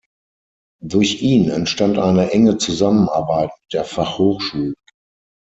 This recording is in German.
Durch ihn entstand eine enge Zusammenarbeit mit der Fachhochschule.